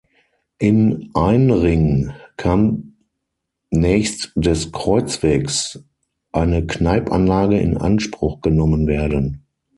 In Ainring kann nächst des Kreuzwegs eine Kneippanlage in Anspruch genommen werden.